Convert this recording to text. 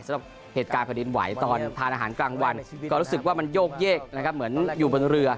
สำหรับเหตุการณ์แผ่นดินไหวตอนทานอาหารกลางวันก็รู้สึกว่ามันโยกเยกนะครับเหมือนอยู่บนเรือ